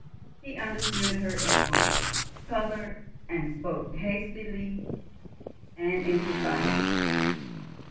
He understood her at once, coloured, and spoke hastily and in defiance.